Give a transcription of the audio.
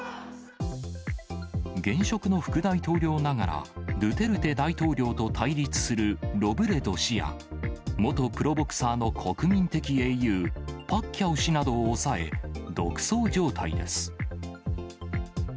現職の副大統領ながら、ドゥテルテ大統領と対立するロブレド氏や、元プロボクサーの国民的英雄、パッキャオ氏などを抑え、独走状態です。